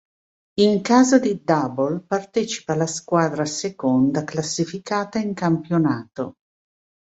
In caso di "double" partecipa la squadra seconda classificata in campionato.